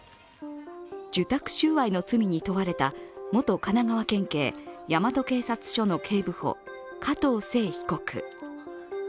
受託収賄の罪に問われた元神奈川県警大和警察署の警部補、加藤聖被告。